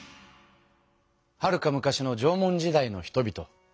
はるか昔の縄文時代の人々。